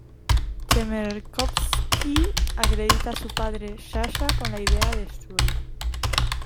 Chmerkovskiy acredita a su padre Sasha con la idea de "Sway".